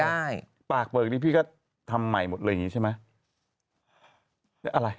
ตากเปลี่ยนตรงนี้พี่ก็ทำใหม่หมดเลยอย่างนี้ใช่ไหม